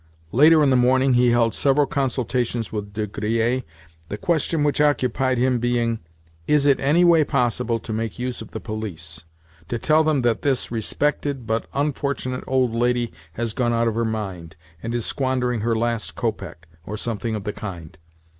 Later in the morning he held several consultations with De Griers—the question which occupied him being: Is it in any way possible to make use of the police—to tell them that "this respected, but unfortunate, old lady has gone out of her mind, and is squandering her last kopeck," or something of the kind?